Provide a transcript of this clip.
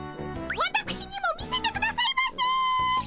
わたくしにも見せてくださいませ。